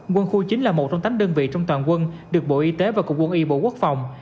quân khu chín là một trong tám đơn vị trong toàn quân được bộ y tế và cục quân y bộ quốc phòng